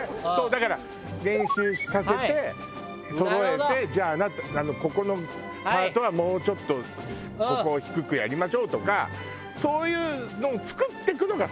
だから練習させてそろえてじゃああなたここのパートはもうちょっとここを低くやりましょうとかそういうのを作っていくのがすごい。